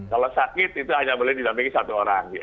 kalau sakit itu hanya boleh didampingi satu orang